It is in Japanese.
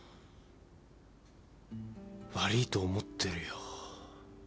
悪ぃと思ってるよ。